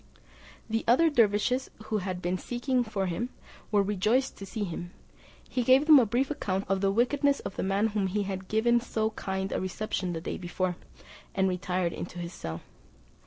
The other dervises, who had been seeking for him, were rejoiced to see him; he gave them a brief account of the wickedness of the man to whom he had given so kind a reception the day before, and retired into his cell.